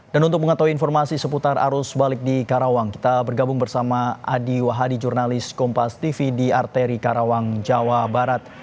untuk mengetahui informasi seputar arus balik di karawang kita bergabung bersama adi wahhadi jurnalis kompas tv di arteri karawang jawa barat